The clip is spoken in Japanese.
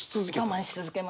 我慢し続けました。